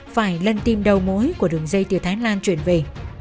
phải lân tim đầu mỗi của đường dây từ thái lan chuyển về